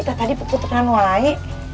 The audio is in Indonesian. tadi peputaran woi